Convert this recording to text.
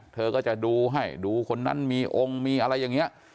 เธอก็จะดูให้ดูคนนั้นมีองค์มีอะไรอย่างนี้